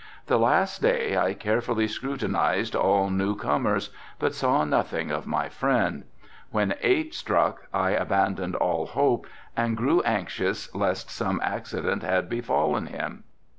The last day I carefully scrutinized all new comers, but saw nothing of my friend. When eight struck I abandoned all hope and grew anxious lest some accident had befallen him.